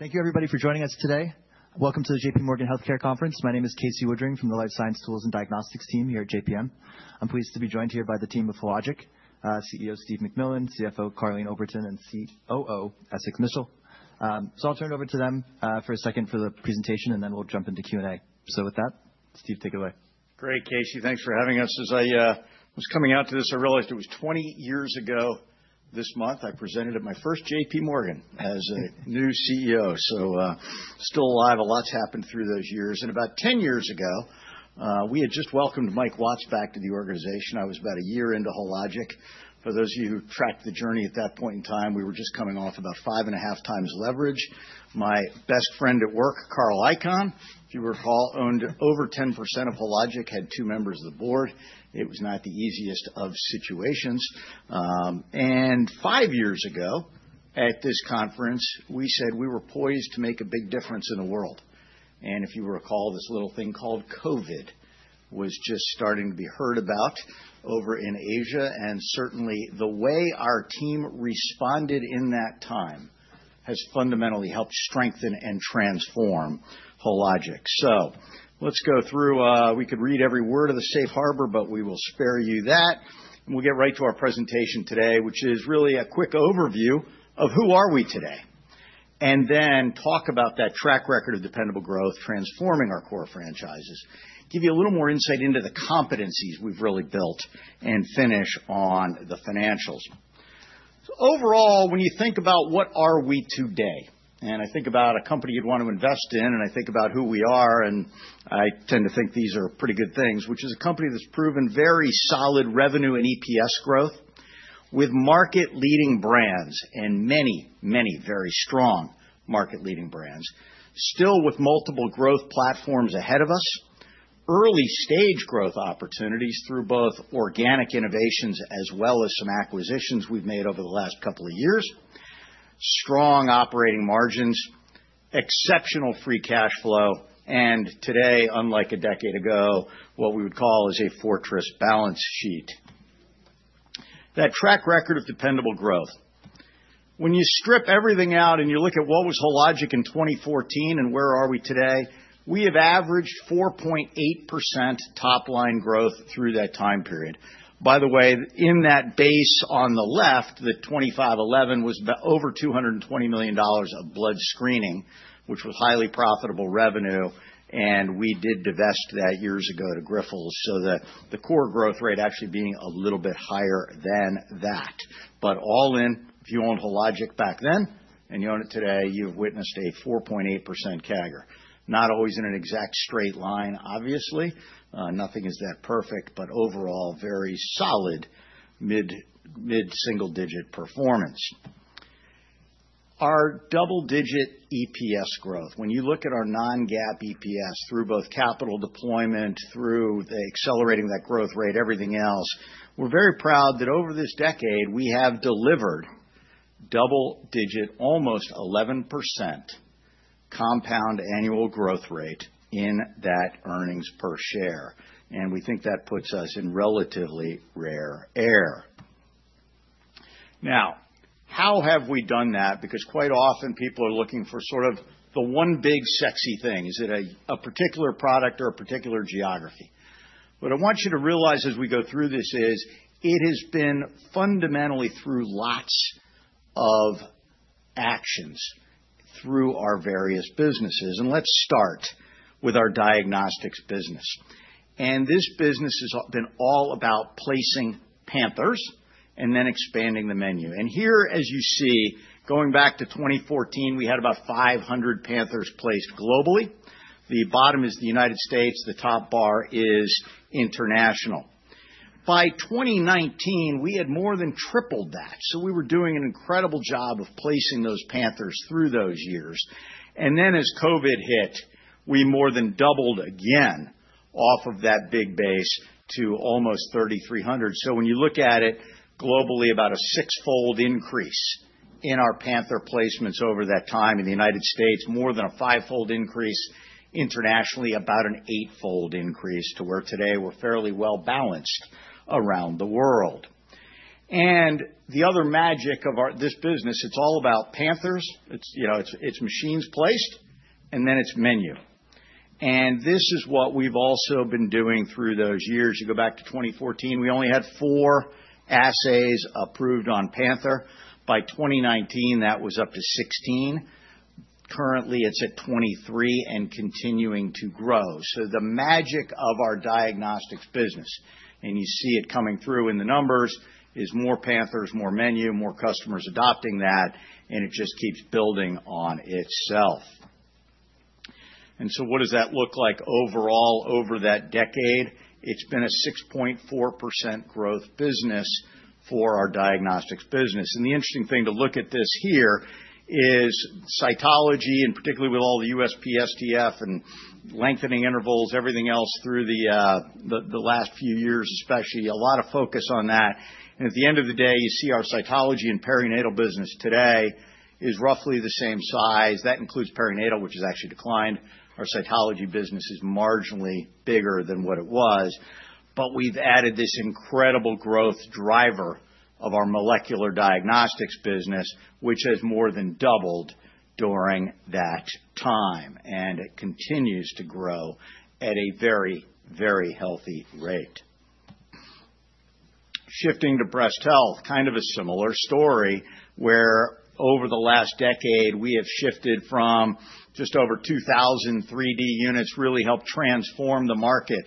Thank you, everybody, for joining us today. Welcome to the JPMorgan Healthcare Conference. My name is Casey Woodring from the Life Science Tools and Diagnostics team here at JPM. I'm pleased to be joined here by the team of Hologic, CEO Stephen MacMillan, CFO Karleen Oberton, and COO Essex Mitchell. So I'll turn it over to them for a second for the presentation, and then we'll jump into Q&A. So with that, Stephen, take it away. Great, Casey. Thanks for having us. As I was coming out to this, I realized it was 20 years ago this month I presented at my first JPMorgan as a new CEO. So still alive, a lot's happened through those years, and about 10 years ago, we had just welcomed Mike Watts back to the organization. I was about a year into Hologic. For those of you who tracked the journey at that point in time, we were just coming off about five and a half times leverage. My best friend at work, Carl Icahn, if you recall, owned over 10% of Hologic, had two members of the board. It was not the easiest of situations, and five years ago, at this conference, we said we were poised to make a big difference in the world. If you recall, this little thing called COVID was just starting to be heard about over in Asia. Certainly, the way our team responded in that time has fundamentally helped strengthen and transform Hologic. Let's go through. We could read every word of the Safe Harbor, but we will spare you that. We'll get right to our presentation today, which is really a quick overview of who are we today, and then talk about that track record of dependable growth, transforming our core franchises, give you a little more insight into the competencies we've really built, and finish on the financials. Overall, when you think about what are we today, and I think about a company you'd want to invest in, and I think about who we are, and I tend to think these are pretty good things, which is a company that's proven very solid revenue and EPS growth with market-leading brands and many, many very strong market-leading brands, still with multiple growth platforms ahead of us, early-stage growth opportunities through both organic innovations as well as some acquisitions we've made over the last couple of years, strong operating margins, exceptional free cash flow, and today, unlike a decade ago, what we would call is a fortress balance sheet. That track record of dependable growth, when you strip everything out and you look at what was Hologic in 2014 and where are we today, we have averaged 4.8% top-line growth through that time period. By the way, in that base on the left, the 2011 was over $220 million of blood screening, which was highly profitable revenue, and we did divest that years ago to Grifols, so the core growth rate actually being a little bit higher than that, but all in, if you owned Hologic back then and you own it today, you've witnessed a 4.8% CAGR. Not always in an exact straight line, obviously. Nothing is that perfect, but overall, very solid mid-single-digit performance. Our double-digit EPS growth, when you look at our non-GAAP EPS through both capital deployment, through accelerating that growth rate, everything else, we're very proud that over this decade, we have delivered double-digit, almost 11% compound annual growth rate in that earnings per share, and we think that puts us in relatively rare air. Now, how have we done that? Because quite often, people are looking for sort of the one big sexy thing. Is it a particular product or a particular geography? What I want you to realize as we go through this is it has been fundamentally through lots of actions through our various businesses. And let's start with our diagnostics business. And this business has been all about placing Panthers and then expanding the menu. And here, as you see, going back to 2014, we had about 500 Panthers placed globally. The bottom is the United States. The top bar is international. By 2019, we had more than tripled that. So we were doing an incredible job of placing those Panthers through those years. And then as COVID hit, we more than doubled again off of that big base to almost 3,300. So when you look at it globally, about a six-fold increase in our Panther placements over that time in the United States, more than a five-fold increase. Internationally, about an eight-fold increase to where today we're fairly well-balanced around the world. And the other magic of this business, it's all about Panthers. It's machines placed, and then it's menu. And this is what we've also been doing through those years. You go back to 2014, we only had four assays approved on Panther. By 2019, that was up to 16. Currently, it's at 23 and continuing to grow. So the magic of our diagnostics business, and you see it coming through in the numbers, is more Panthers, more menu, more customers adopting that, and it just keeps building on itself. And so what does that look like overall over that decade? It's been a 6.4% growth business for our diagnostics business. And the interesting thing to look at this here is cytology, and particularly with all the USPSTF and lengthening intervals, everything else through the last few years, especially a lot of focus on that. And at the end of the day, you see our cytology and perinatal business today is roughly the same size. That includes perinatal, which has actually declined. Our cytology business is marginally bigger than what it was. But we've added this incredible growth driver of our molecular diagnostics business, which has more than doubled during that time. And it continues to grow at a very, very healthy rate. Shifting to breast health, kind of a similar story where over the last decade, we have shifted from just over 2,000 3D units really helped transform the market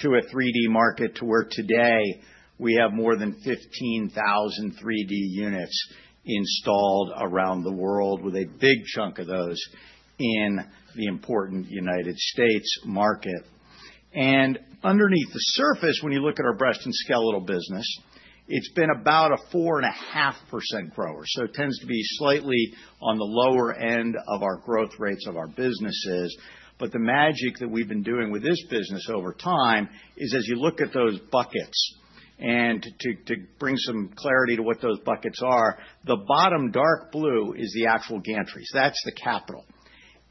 to a 3D market to where today we have more than 15,000 3D units installed around the world, with a big chunk of those in the important United States market. And underneath the surface, when you look at our breast and skeletal business, it's been about a 4.5% grower. So it tends to be slightly on the lower end of our growth rates of our businesses. But the magic that we've been doing with this business over time is as you look at those buckets, and to bring some clarity to what those buckets are, the bottom dark blue is the actual gantries. That's the capital.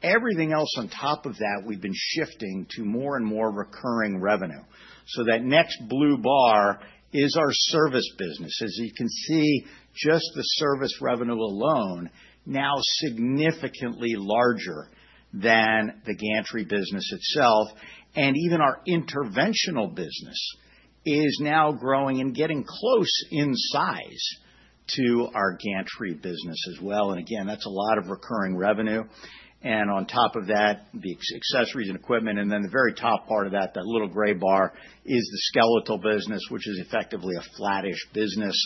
Everything else on top of that, we've been shifting to more and more recurring revenue. So that next blue bar is our service business. As you can see, just the service revenue alone now significantly larger than the gantry business itself. And even our interventional business is now growing and getting close in size to our gantry business as well. And again, that's a lot of recurring revenue. And on top of that, the accessories and equipment. And then the very top part of that, that little gray bar, is the skeletal business, which is effectively a flattish business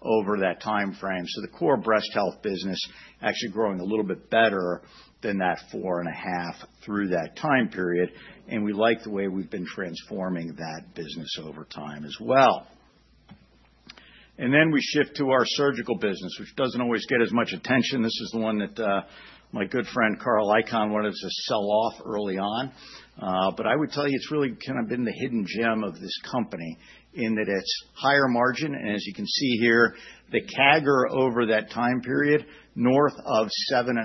over that time frame. So the core breast health business actually growing a little bit better than that 4.5% through that time period. And we like the way we've been transforming that business over time as well. And then we shift to our surgical business, which doesn't always get as much attention. This is the one that my good friend Karleen wanted us to sell off early on. But I would tell you it's really kind of been the hidden gem of this company in that it's higher margin. And as you can see here, the CAGR over that time period, north of 7.5%.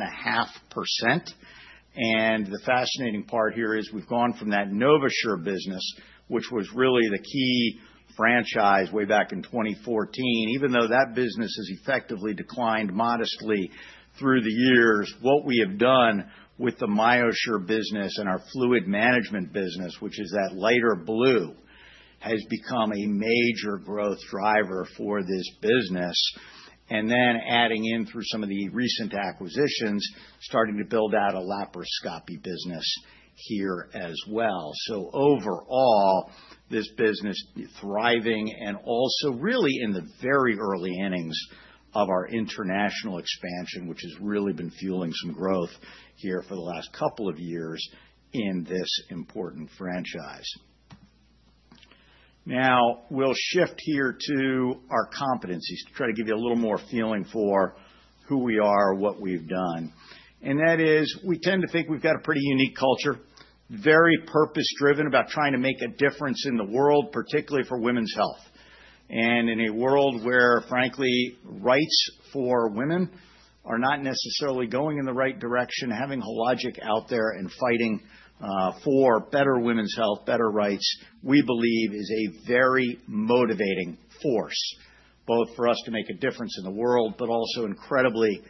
And the fascinating part here is we've gone from that NovaSure business, which was really the key franchise way back in 2014, even though that business has effectively declined modestly through the years, what we have done with the MyoSure business and our fluid management business, which is that lighter blue, has become a major growth driver for this business. And then adding in through some of the recent acquisitions, starting to build out a laparoscopy business here as well. So overall, this business thriving and also really in the very early innings of our international expansion, which has really been fueling some growth here for the last couple of years in this important franchise. Now, we'll shift here to our competencies to try to give you a little more feeling for who we are, what we've done, and that is we tend to think we've got a pretty unique culture, very purpose-driven about trying to make a difference in the world, particularly for women's health. In a world where, frankly, rights for women are not necessarily going in the right direction, having Hologic out there and fighting for better women's health, better rights, we believe is a very motivating force, both for us to make a difference in the world, but also incredibly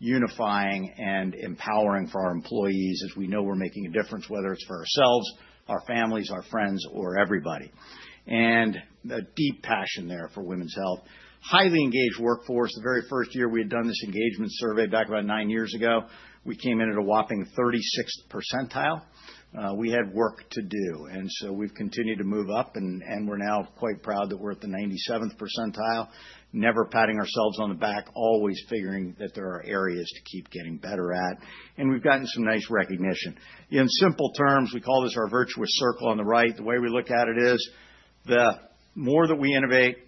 unifying and empowering for our employees as we know we're making a difference, whether it's for ourselves, our families, our friends, or everybody. There's a deep passion there for women's health, highly engaged workforce. The very first year we had done this engagement survey back about nine years ago, we came in at a whopping 36th percentile. We had work to do. We've continued to move up, and we're now quite proud that we're at the 97th percentile, never patting ourselves on the back, always figuring that there are areas to keep getting better at. We've gotten some nice recognition. In simple terms, we call this our virtuous circle on the right. The way we look at it is the more that we innovate,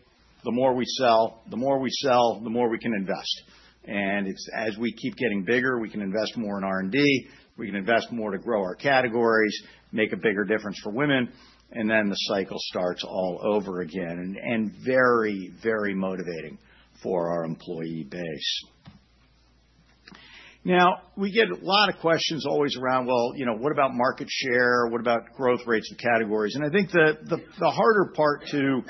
the more we sell. The more we sell, the more we can invest. As we keep getting bigger, we can invest more in R&D, we can invest more to grow our categories, make a bigger difference for women, and then the cycle starts all over again. Very, very motivating for our employee base. Now, we get a lot of questions always around, well, what about market share? What about growth rates of categories? I think the harder part to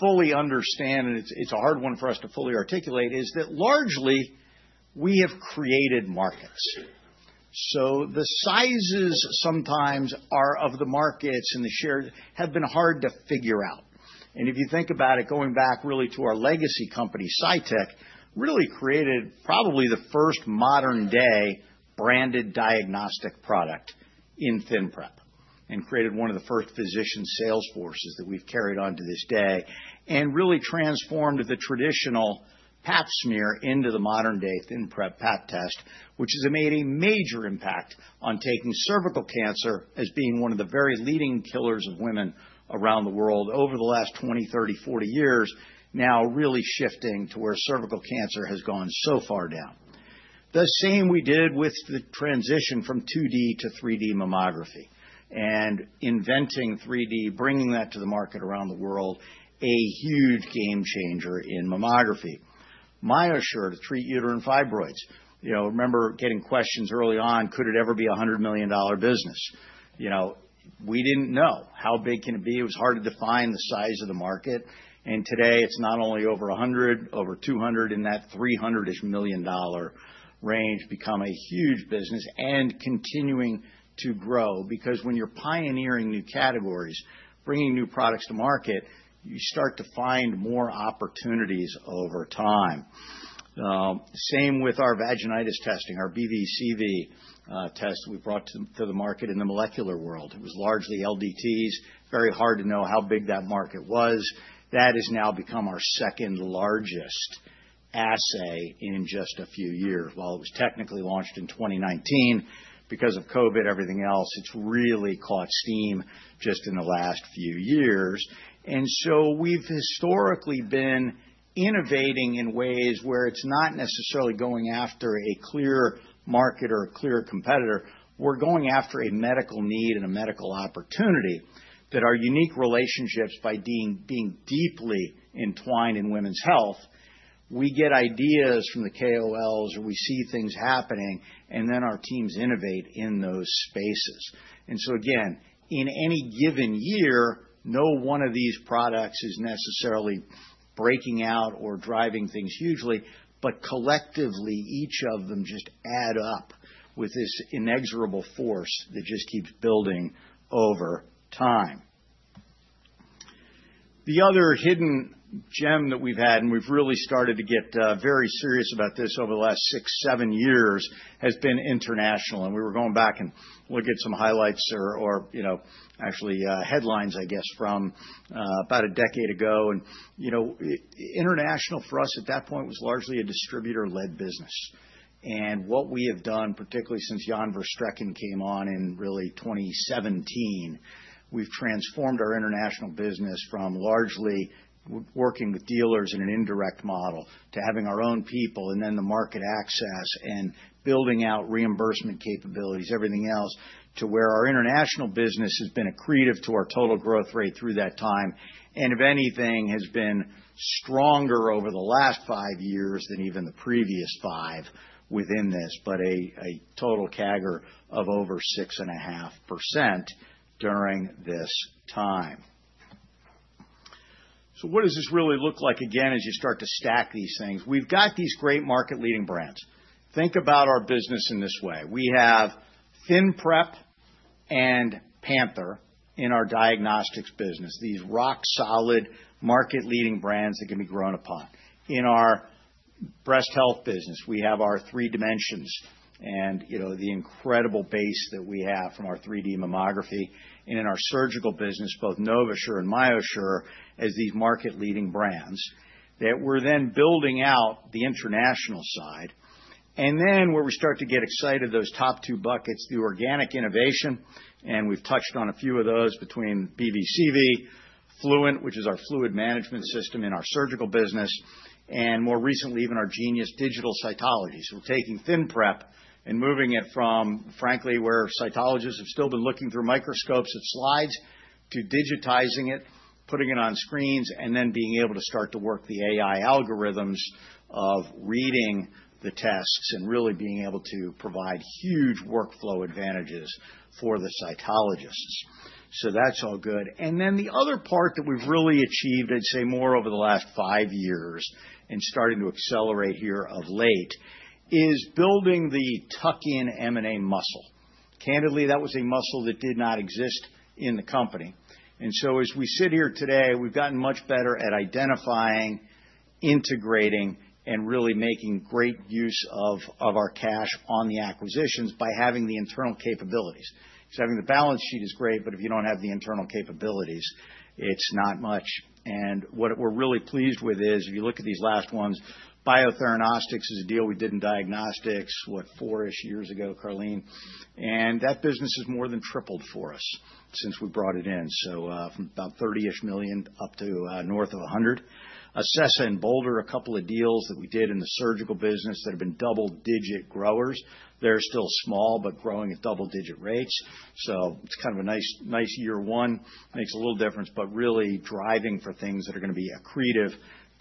fully understand, and it's a hard one for us to fully articulate, is that largely we have created markets. The sizes sometimes are of the markets and the shares have been hard to figure out. If you think about it, going back really to our legacy company, Cytyc, really created probably the first modern-day branded diagnostic product in ThinPrep and created one of the first physician sales forces that we've carried on to this day and really transformed the traditional Pap smear into the modern-day ThinPrep Pap test, which has made a major impact on taking cervical cancer as being one of the very leading killers of women around the world over the last 20, 30, 40 years, now really shifting to where cervical cancer has gone so far down. The same we did with the transition from 2D to 3D mammography and inventing 3D, bringing that to the market around the world, a huge game changer in mammography. MyoSure to treat uterine fibroids. Remember getting questions early on, could it ever be a $100 million business? We didn't know how big it can be. It was hard to define the size of the market. And today, it's not only over 100, over 200 in that $300 million range, become a huge business and continuing to grow. Because when you're pioneering new categories, bringing new products to market, you start to find more opportunities over time. Same with our vaginitis testing, our BV/CV test we brought to the market in the molecular world. It was largely LDTs. Very hard to know how big that market was. That has now become our second largest assay in just a few years. While it was technically launched in 2019, because of COVID, everything else, it's really caught steam just in the last few years. And so we've historically been innovating in ways where it's not necessarily going after a clear market or a clear competitor. We're going after a medical need and a medical opportunity that our unique relationships, by being deeply entwined in women's health, we get ideas from the KOLs or we see things happening, and then our teams innovate in those spaces, and so again, in any given year, no one of these products is necessarily breaking out or driving things hugely, but collectively, each of them just add up with this inexorable force that just keeps building over time. The other hidden gem that we've had, and we've really started to get very serious about this over the last six, seven years, has been international, and we were going back and looking at some highlights or actually headlines, I guess, from about a decade ago, and international for us at that point was largely a distributor-led business. What we have done, particularly since Jan Verstrekken came on in really 2017, we've transformed our international business from largely working with dealers in an indirect model to having our own people and then the market access and building out reimbursement capabilities, everything else to where our international business has been a contributor to our total growth rate through that time. If anything, has been stronger over the last five years than even the previous five within this, but a total CAGR of over 6.5% during this time. What does this really look like again as you start to stack these things? We've got these great market-leading brands. Think about our business in this way. We have ThinPrep and Panther in our diagnostics business, these rock-solid market-leading brands that can be grown upon. In our breast health business, we have our Dimensions and the incredible base that we have from our 3D mammography. And in our surgical business, both NovaSure and MyoSure as these market-leading brands that we're then building out the international side. And then where we start to get excited, those top two buckets, the organic innovation, and we've touched on a few of those between BV/CV, Fluent, which is our fluid management system in our surgical business, and more recently, even our Genius Digital Cytology. So we're taking ThinPrep and moving it from, frankly, where cytologists have still been looking through microscopes at slides to digitizing it, putting it on screens, and then being able to start to work the AI algorithms of reading the tests and really being able to provide huge workflow advantages for the cytologists. So that's all good. And then the other part that we've really achieved, I'd say more over the last five years and starting to accelerate here of late, is building the Tuck-in M&A muscle. Candidly, that was a muscle that did not exist in the company. And so as we sit here today, we've gotten much better at identifying, integrating, and really making great use of our cash on the acquisitions by having the internal capabilities. Because having the balance sheet is great, but if you don't have the internal capabilities, it's not much. And what we're really pleased with is if you look at these last ones, Biotheranostics is a deal we did in diagnostics, what, four-ish years ago, Karleen. And that business has more than tripled for us since we brought it in. So from about $30 million up to north of $100 million. Acessa and Bolder, a couple of deals that we did in the surgical business that have been double-digit growers. They're still small, but growing at double-digit rates. So it's kind of a nice year one. Makes a little difference, but really driving for things that are going to be accretive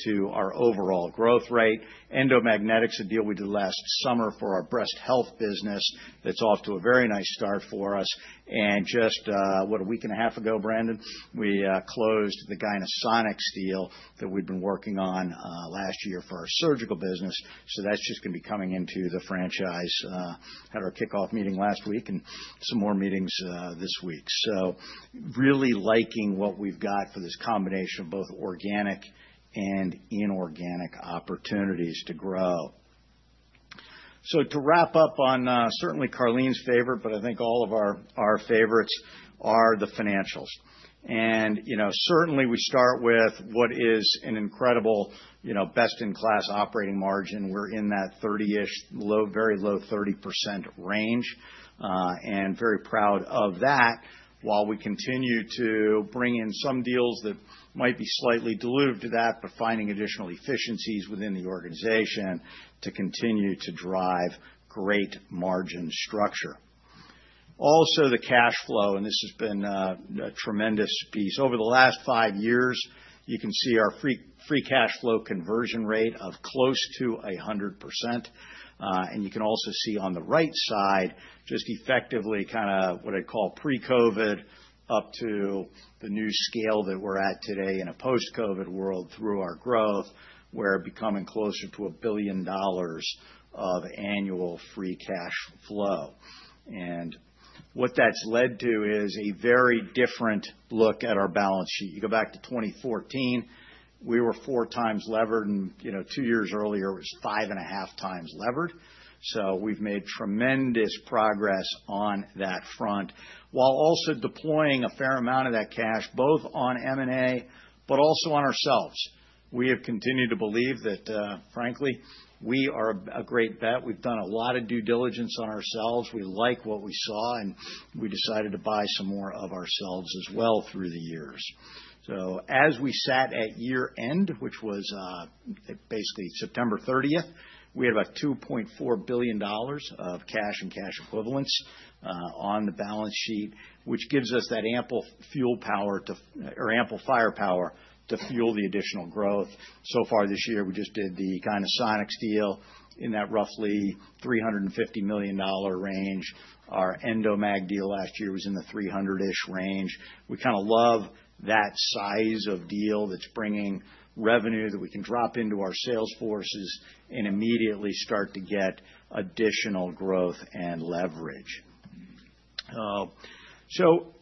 to our overall growth rate. Endomag, a deal we did last summer for our breast health business that's off to a very nice start for us. And just what, a week and a half ago, Brandon, we closed the Gynesonics deal that we'd been working on last year for our surgical business. So that's just going to be coming into the franchise. Had our kickoff meeting last week and some more meetings this week. So really liking what we've got for this combination of both organic and inorganic opportunities to grow. To wrap up on certainly Karleen's favorite, but I think all of our favorites are the financials. And certainly we start with what is an incredible best-in-class operating margin. We're in that 30-ish, very low 30% range and very proud of that while we continue to bring in some deals that might be slightly diluted to that, but finding additional efficiencies within the organization to continue to drive great margin structure. Also, the cash flow, and this has been a tremendous piece. Over the last five years, you can see our free cash flow conversion rate of close to 100%. And you can also see on the right side, just effectively kind of what I'd call pre-COVID up to the new scale that we're at today in a post-COVID world through our growth, we're becoming closer to $1 billion of annual free cash flow. And what that's led to is a very different look at our balance sheet. You go back to 2014, we were four times levered, and two years earlier, it was five and a half times levered. So we've made tremendous progress on that front while also deploying a fair amount of that cash both on M&A, but also on ourselves. We have continued to believe that, frankly, we are a great bet. We've done a lot of due diligence on ourselves. We like what we saw, and we decided to buy some more of ourselves as well through the years. So as we sat at year end, which was basically September 30th, we had about $2.4 billion of cash and cash equivalents on the balance sheet, which gives us that ample fuel power or ample firepower to fuel the additional growth. So far this year, we just did the Gynesonics deal in that roughly $350 million range. Our Endomag deal last year was in the $300 million range. We kind of love that size of deal that's bringing revenue that we can drop into our sales forces and immediately start to get additional growth and leverage. So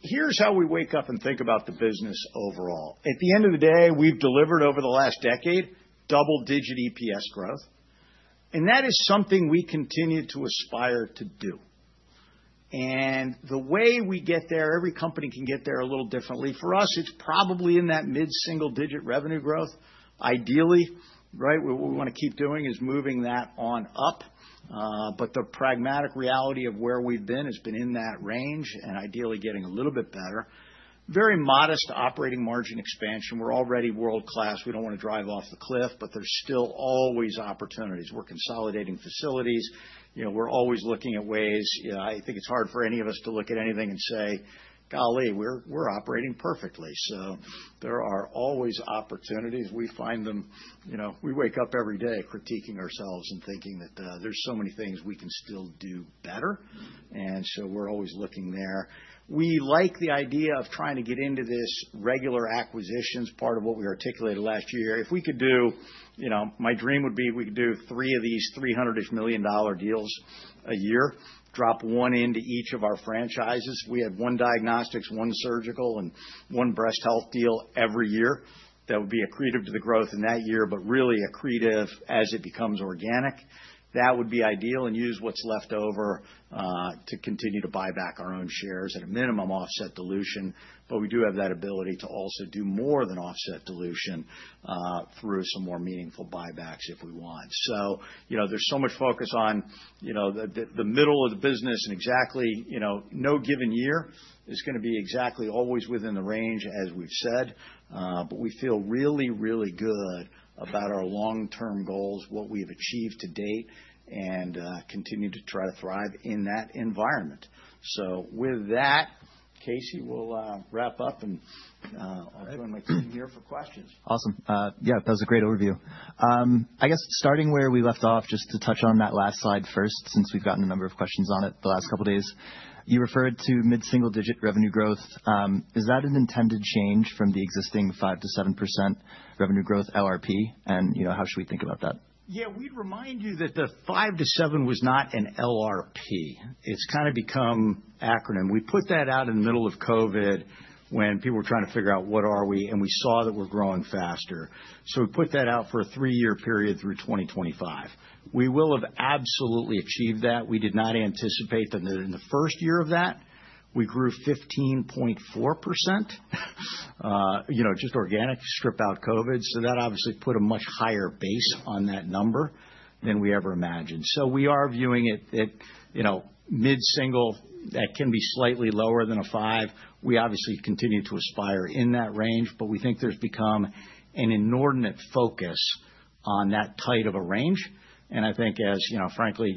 here's how we wake up and think about the business overall. At the end of the day, we've delivered over the last decade double-digit EPS growth, and that is something we continue to aspire to do. And the way we get there, every company can get there a little differently. For us, it's probably in that mid-single-digit revenue growth. Ideally, right, what we want to keep doing is moving that on up. But the pragmatic reality of where we've been has been in that range and ideally getting a little bit better. Very modest operating margin expansion. We're already world-class. We don't want to drive off the cliff, but there's still always opportunities. We're consolidating facilities. We're always looking at ways. I think it's hard for any of us to look at anything and say, "Golly, we're operating perfectly." So there are always opportunities. We find them. We wake up every day critiquing ourselves and thinking that there's so many things we can still do better. And so we're always looking there. We like the idea of trying to get into this regular acquisitions part of what we articulated last year. If we could do, my dream would be we could do three of these $300 million deals a year, drop one into each of our franchises. We had one diagnostics, one surgical, and one breast health deal every year. That would be accretive to the growth in that year, but really accretive as it becomes organic. That would be ideal and use what's left over to continue to buy back our own shares at a minimum offset dilution. But we do have that ability to also do more than offset dilution through some more meaningful buybacks if we want. So there's so much focus on the middle of the business and exactly no given year is going to be exactly always within the range as we've said. But we feel really, really good about our long-term goals, what we have achieved to date, and continue to try to thrive in that environment. So with that, Casey, we'll wrap up, and I'll join my team here for questions. Awesome. Yeah, that was a great overview. I guess starting where we left off, just to touch on that last slide first since we've gotten a number of questions on it the last couple of days. You referred to mid-single-digit revenue growth. Is that an intended change from the existing 5%-7% revenue growth LRP? And how should we think about that? Yeah, we'd remind you that the 5%-7% was not an LRP. It's kind of become an acronym. We put that out in the middle of COVID when people were trying to figure out what are we, and we saw that we're growing faster. So we put that out for a three-year period through 2025. We will have absolutely achieved that. We did not anticipate that in the first year of that, we grew 15.4% just organic, strip out COVID. So that obviously put a much higher base on that number than we ever imagined. So we are viewing it mid-single that can be slightly lower than a 5%. We obviously continue to aspire in that range, but we think there's become an inordinate focus on that tight of a range. And I think, as frankly,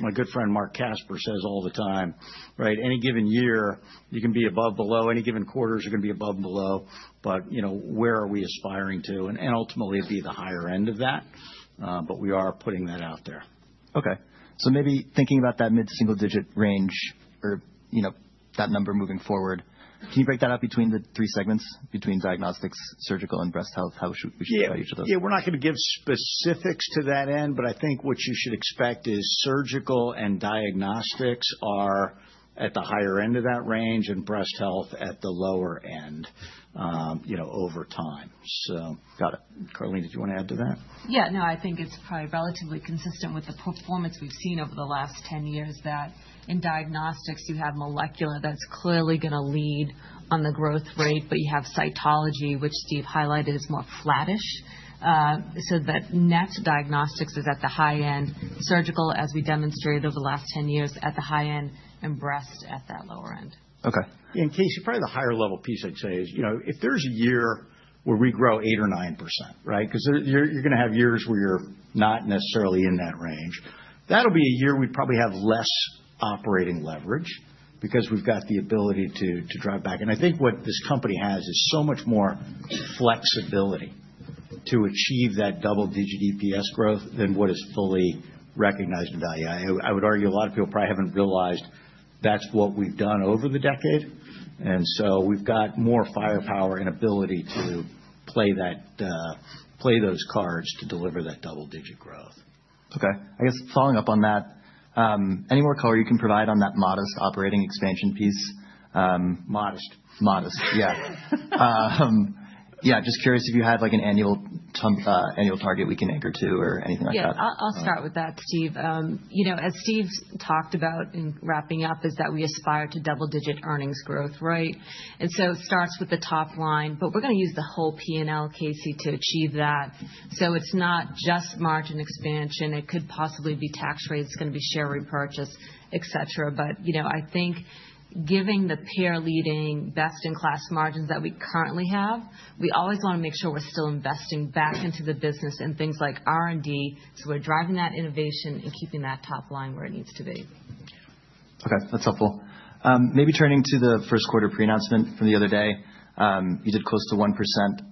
my good friend Marc Casper says all the time, right, any given year, you can be above, below. Any given quarters are going to be above and below. But where are we aspiring to? And ultimately, it'd be the higher end of that. But we are putting that out there. Okay. So maybe thinking about that mid-single-digit range or that number moving forward, can you break that out between the three segments, diagnostics, surgical, and breast health? How should we divide each of those? Yeah, we're not going to give specifics to that end, but I think what you should expect is surgical and diagnostics are at the higher end of that range and breast health at the lower end over time. Got it. Karleen, did you want to add to that? Yeah, no, I think it's probably relatively consistent with the performance we've seen over the last 10 years that in diagnostics, you have molecular that's clearly going to lead on the growth rate, but you have cytology, which Steve highlighted as more flattish. So that net diagnostics is at the high end, surgical, as we demonstrated over the last 10 years, at the high end, and breast at that lower end. Okay. And Casey, probably the higher level piece I'd say is if there's a year where we grow 8% or 9%, right, because you're going to have years where you're not necessarily in that range, that'll be a year we'd probably have less operating leverage because we've got the ability to drive back. And I think what this company has is so much more flexibility to achieve that double-digit EPS growth than what is fully recognized and valued. I would argue a lot of people probably haven't realized that's what we've done over the decade. And so we've got more firepower and ability to play those cards to deliver that double-digit growth. Okay. I guess following up on that, any more color you can provide on that modest operating expansion piece? Modest. Modest, yeah. Yeah, just curious if you had an annual target we can anchor to or anything like that? Yeah, I'll start with that, Stephen. As Steve talked about in wrapping up, is that we aspire to double-digit earnings growth, right? And so it starts with the top line, but we're going to use the whole P&L, Casey, to achieve that. So it's not just margin expansion. It could possibly be tax rates. It's going to be share repurchase, etc. But I think giving the peer-leading best-in-class margins that we currently have, we always want to make sure we're still investing back into the business and things like R&D. So we're driving that innovation and keeping that top line where it needs to be. Okay, that's helpful. Maybe turning to the first quarter pre-announcement from the other day. You did close to 1%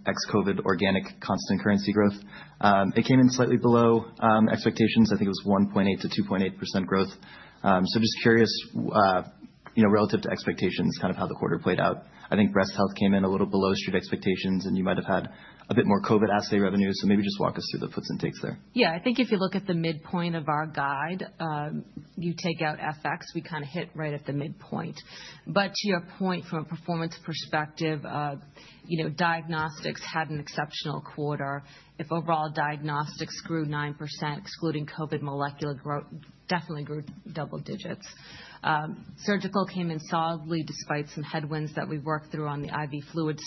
ex-COVID organic constant currency growth. It came in slightly below expectations. I think it was 1.8%-2.8% growth. So just curious relative to expectations, kind of how the quarter played out. I think breast health came in a little below street expectations, and you might have had a bit more COVID assay revenue. So maybe just walk us through the puts and takes there. Yeah, I think if you look at the midpoint of our guide, you take out FX, you kind of hit right at the midpoint. But to your point, from a performance perspective, diagnostics had an exceptional quarter. If overall diagnostics grew 9%, excluding COVID molecular growth, definitely grew double digits. Surgical came in solidly despite some headwinds that we worked through on the IV fluid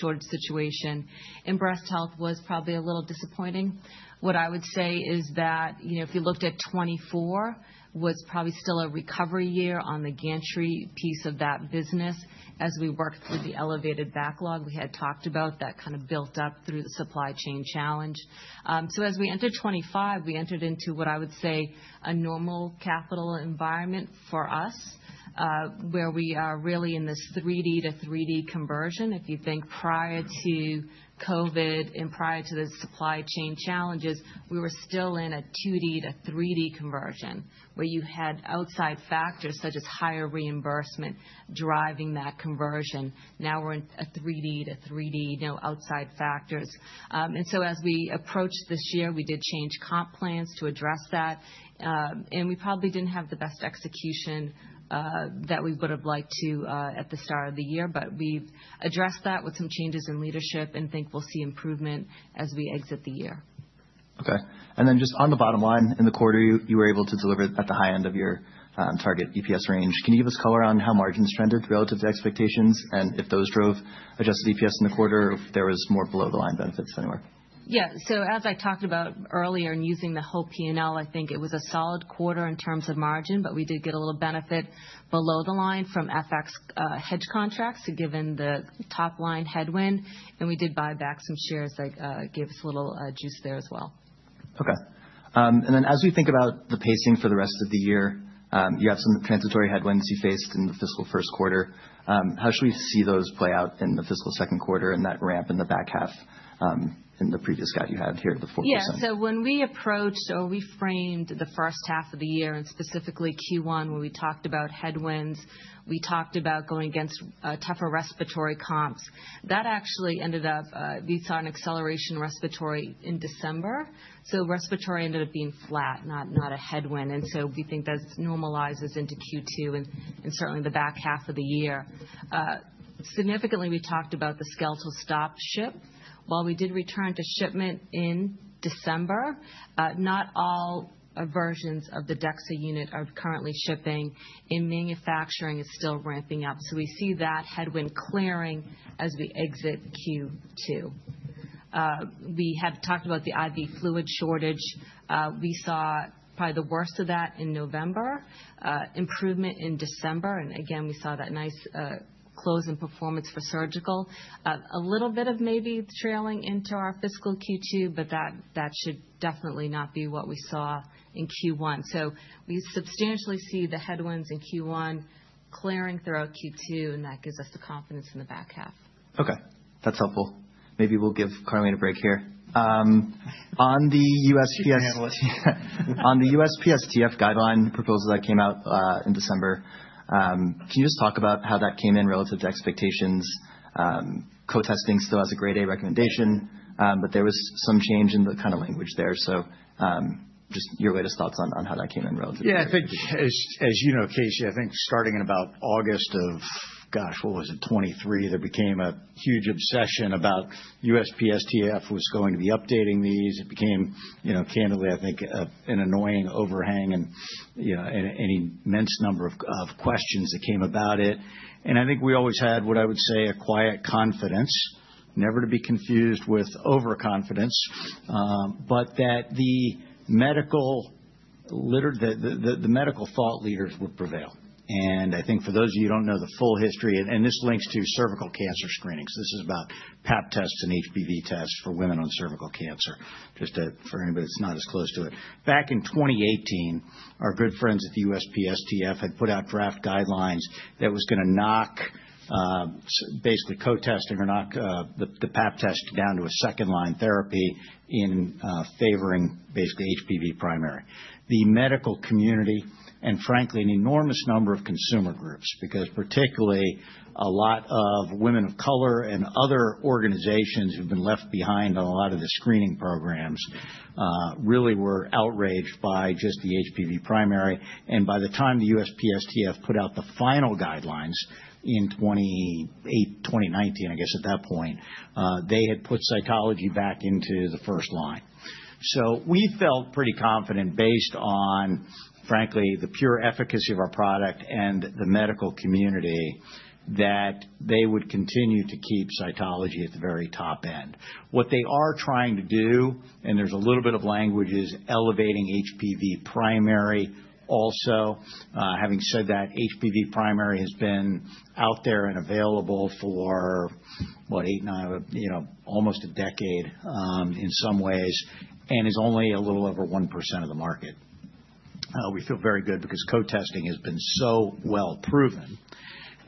shortage situation. And breast health was probably a little disappointing. What I would say is that if you looked at 2024, it was probably still a recovery year on the gantry piece of that business as we worked through the elevated backlog we had talked about that kind of built up through the supply chain challenge. So as we entered 2025, we entered into what I would say a normal capital environment for us where we are really in this 3D to 3D conversion. If you think prior to COVID and prior to the supply chain challenges, we were still in a 2D to 3D conversion where you had outside factors such as higher reimbursement driving that conversion. Now we're in a 3D to 3D, no outside factors. And so as we approached this year, we did change comp plans to address that. And we probably didn't have the best execution that we would have liked to at the start of the year, but we've addressed that with some changes in leadership and think we'll see improvement as we exit the year. Okay. And then just on the bottom line, in the quarter, you were able to deliver at the high end of your target EPS range. Can you give us color on how margins trended relative to expectations and if those drove adjusted EPS in the quarter or if there was more below-the-line benefits anywhere? Yeah. So as I talked about earlier and using the whole P&L, I think it was a solid quarter in terms of margin, but we did get a little benefit below the line from FX hedge contracts given the top line headwind. And we did buy back some shares that gave us a little juice there as well. Okay. And then as we think about the pacing for the rest of the year, you have some transitory headwinds you faced in the fiscal first quarter. How should we see those play out in the fiscal second quarter and that ramp in the back half in the previous guide you had here to the 4%? Yeah. So when we approached or we framed the first half of the year and specifically Q1, when we talked about headwinds, we talked about going against tougher respiratory comps. That actually ended up we saw an acceleration in respiratory in December. So respiratory ended up being flat, not a headwind. And so we think that normalizes into Q2 and certainly the back half of the year. Significantly, we talked about the skeletal Stop Ship. While we did return to shipment in December, not all versions of the DEXA unit are currently shipping, and manufacturing is still ramping up. So we see that headwind clearing as we exit Q2. We have talked about the IV fluid shortage. We saw probably the worst of that in November, improvement in December. Again, we saw that nice close in performance for surgical, a little bit of maybe trailing into our fiscal Q2, but that should definitely not be what we saw in Q1. We substantially see the headwinds in Q1 clearing throughout Q2, and that gives us the confidence in the back half. Okay. That's helpful. Maybe we'll give Karleen a break here. On the USPSTF guideline proposal that came out in December, can you just talk about how that came in relative to expectations? Co-testing still has a grade A recommendation, but there was some change in the kind of language there. So just your latest thoughts on how that came in relative to that. Yeah, I think, as you know, Casey, I think starting in about August of, gosh, what was it, 2023, there became a huge obsession about USPSTF was going to be updating these. It became, candidly, I think, an annoying overhang and an immense number of questions that came about it. And I think we always had what I would say a quiet confidence, never to be confused with overconfidence, but that the medical thought leaders would prevail. And I think for those of you who don't know the full history, and this links to cervical cancer screenings. This is about Pap tests and HPV tests for women on cervical cancer, just for anybody that's not as close to it. Back in 2018, our good friends at the USPSTF had put out draft guidelines that was going to knock basically co-testing or knock the Pap test down to a second-line therapy in favoring basically HPV primary. The medical community and frankly, an enormous number of consumer groups because particularly a lot of women of color and other organizations who've been left behind on a lot of the screening programs really were outraged by just the HPV primary. By the time the USPSTF put out the final guidelines in 2018, 2019, I guess at that point, they had put cytology back into the first line. We felt pretty confident based on, frankly, the pure efficacy of our product and the medical community that they would continue to keep cytology at the very top end. What they are trying to do, and there's a little bit of language, is elevating HPV primary. Also, having said that, HPV primary has been out there and available for, what, eight, nine, almost a decade in some ways and is only a little over 1% of the market. We feel very good because co-testing has been so well proven.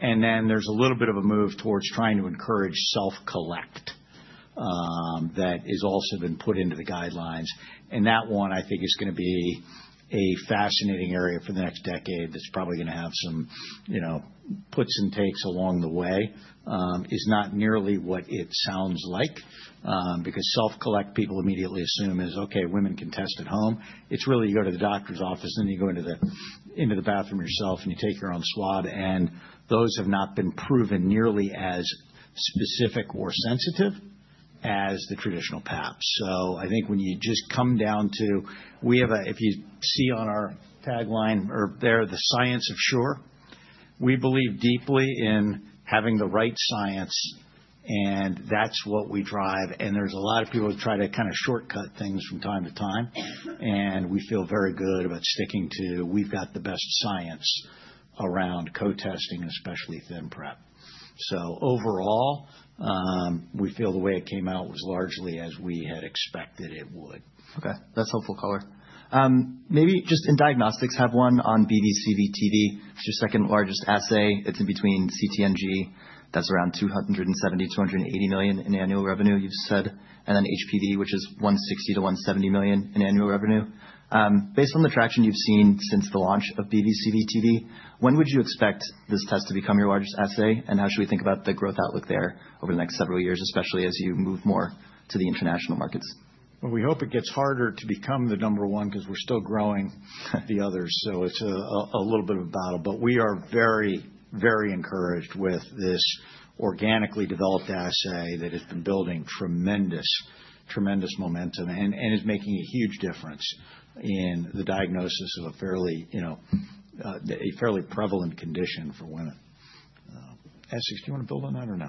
And then there's a little bit of a move towards trying to encourage self-collect that has also been put into the guidelines. And that one, I think, is going to be a fascinating area for the next decade that's probably going to have some puts and takes along the way. It's not nearly what it sounds like because self-collect people immediately assume is, okay, women can test at home. It's really you go to the doctor's office, then you go into the bathroom yourself, and you take your own swab. And those have not been proven nearly as specific or sensitive as the traditional Pap. So I think when you just come down to, if you see on our tagline or there, the science of sure, we believe deeply in having the right science, and that's what we drive. And there's a lot of people who try to kind of shortcut things from time to time. And we feel very good about sticking to we've got the best science around co-testing, especially ThinPrep. So overall, we feel the way it came out was largely as we had expected it would. Okay. That's helpful color. Maybe just in diagnostics, have one on BV/CV. It's your second largest assay. It's in between CT/NG. That's around $270 million-$280 million in annual revenue, you've said. And then HPV, which is $160 million-$170 million in annual revenue. Based on the traction you've seen since the launch of BV/CV, when would you expect this test to become your largest assay? And how should we think about the growth outlook there over the next several years, especially as you move more to the international markets? We hope it gets harder to become the number one because we're still growing the others. So it's a little bit of a battle. But we are very, very encouraged with this organically developed assay that has been building tremendous, tremendous momentum and is making a huge difference in the diagnosis of a fairly prevalent condition for women. Essex, do you want to build on that or no?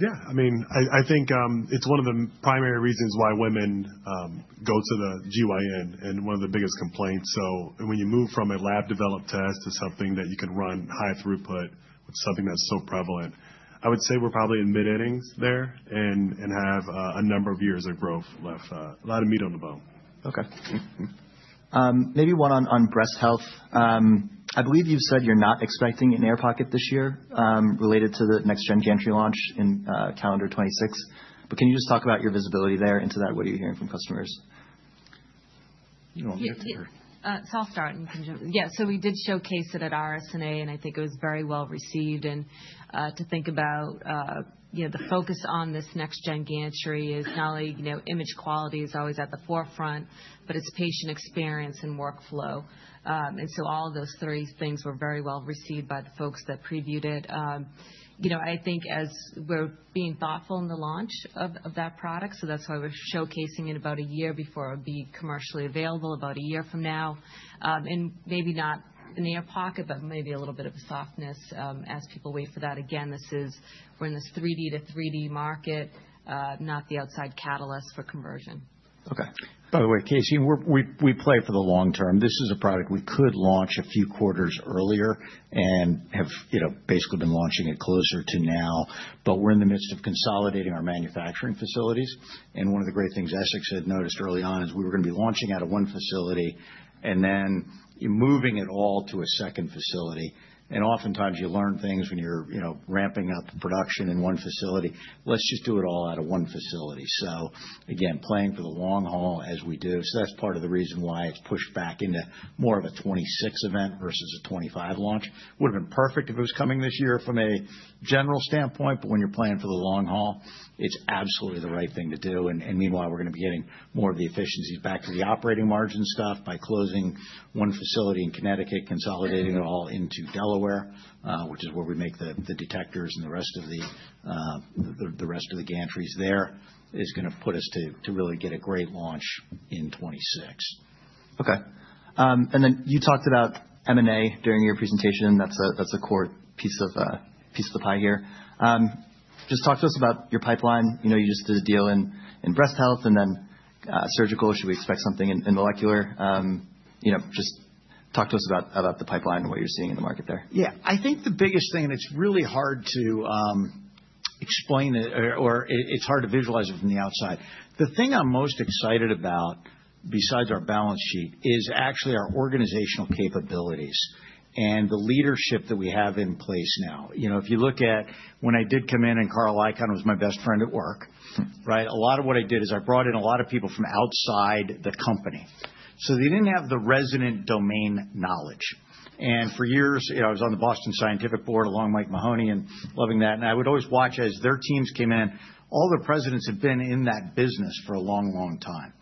Yeah. I mean, I think it's one of the primary reasons why women go to the GYN and one of the biggest complaints. So when you move from a lab-developed test to something that you can run high throughput, which is something that's so prevalent, I would say we're probably in mid-innings there and have a number of years of growth left, a lot of meat on the bone. Okay. Maybe one on breast health. I believe you've said you're not expecting an air pocket this year related to the NextGen Gantry launch in calendar 2026. But can you just talk about your visibility there into that? What are you hearing from customers? Yeah. Yeah. So I'll start. Yeah. So we did showcase it at RSNA, and I think it was very well received. To think about the focus on this NextGen Gantry is not only image quality, which is always at the forefront, but it's patient experience and workflow. So all of those three things were very well received by the folks that previewed it. I think as we're being thoughtful in the launch of that product, so that's why we're showcasing it about a year before it would be commercially available, about a year from now. And maybe not an air pocket, but maybe a little bit of a softness as people wait for that. Again, we're in this 3D to 3D market, not the outside catalyst for conversion. Okay. By the way, Casey, we play for the long term. This is a product we could launch a few quarters earlier and have basically been launching it closer to now. But we're in the midst of consolidating our manufacturing facilities. One of the great things Essex had noticed early on is we were going to be launching out of one facility and then moving it all to a second facility. Oftentimes you learn things when you're ramping up production in one facility. Let's just do it all out of one facility. Again, playing for the long haul as we do. That's part of the reason why it's pushed back into more of a 2026 event versus a 2025 launch. Would have been perfect if it was coming this year from a general standpoint, but when you're playing for the long haul, it's absolutely the right thing to do, and meanwhile, we're going to be getting more of the efficiencies back to the operating margin stuff by closing one facility in Connecticut, consolidating it all into Delaware, which is where we make the detectors and the rest of the gantries there, is going to put us to really get a great launch in 2026. Okay. And then you talked about M&A during your presentation. That's a core piece of the pie here. Just talk to us about your pipeline. You just did a deal in breast health and then surgical. Should we expect something in molecular? Just talk to us about the pipeline and what you're seeing in the market there. Yeah. I think the biggest thing, and it's really hard to explain it or it's hard to visualize it from the outside. The thing I'm most excited about besides our balance sheet is actually our organizational capabilities and the leadership that we have in place now. If you look at when I did come in and Carl Icahn was my best friend at work, right? A lot of what I did is I brought in a lot of people from outside the company. So they didn't have the resident domain knowledge. And for years, I was on the Boston Scientific board along Mike Mahoney and loving that. And I would always watch as their teams came in. All the presidents had been in that business for a long, long time.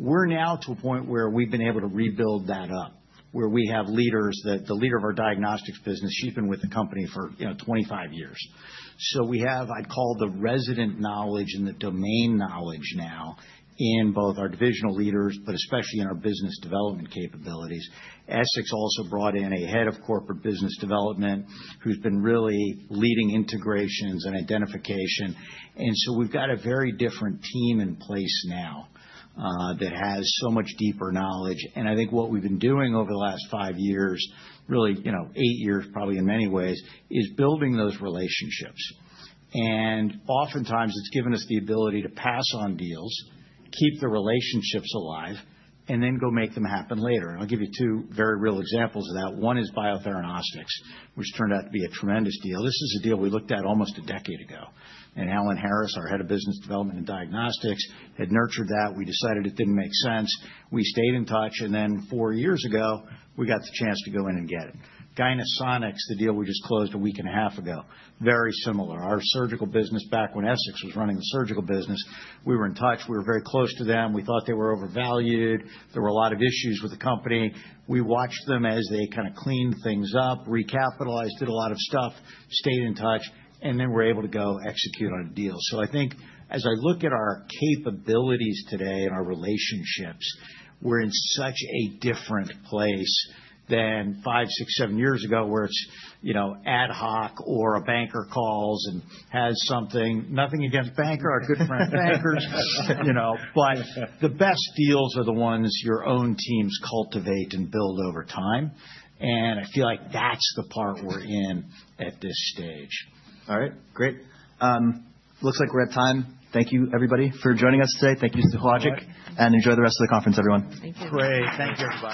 We're now to a point where we've been able to rebuild that up, where we have leaders. The leader of our diagnostics business, she's been with the company for 25 years. So we have, I'd call, the resident knowledge and the domain knowledge now in both our divisional leaders, but especially in our business development capabilities. Essex also brought in a head of corporate business development who's been really leading integrations and identification. And so we've got a very different team in place now that has so much deeper knowledge. And I think what we've been doing over the last five years, really eight years probably in many ways, is building those relationships. And oftentimes it's given us the ability to pass on deals, keep the relationships alive, and then go make them happen later. And I'll give you two very real examples of that. One is Biotheranostics, which turned out to be a tremendous deal. This is a deal we looked at almost a decade ago, and Allan Harris, our head of business development and diagnostics, had nurtured that. We decided it didn't make sense. We stayed in touch, and then four years ago, we got the chance to go in and get it. Gynesonics, the deal we just closed a week and a half ago, very similar. Our surgical business, back when Essex was running the surgical business, we were in touch. We were very close to them. We thought they were overvalued. There were a lot of issues with the company. We watched them as they kind of cleaned things up, recapitalized, did a lot of stuff, stayed in touch, and then were able to go execute on a deal. So I think as I look at our capabilities today and our relationships, we're in such a different place than five, six, seven years ago where it's ad hoc or a banker calls and has something. Nothing against bankers. Our good friends, bankers. But the best deals are the ones your own teams cultivate and build over time. And I feel like that's the part we're in at this stage. All right. Great. Looks like we're at time. Thank you, everybody, for joining us today. Thank you to Hologic, and enjoy the rest of the conference, everyone. Thank you. Great. Thank you.